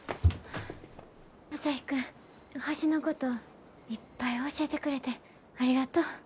朝陽君星のこといっぱい教えてくれてありがとう。